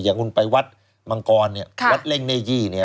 อย่างแต่วัดวัดมังกรวัดเลกเนยี่